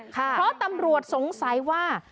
เพราะตำรวจสงสัยว่า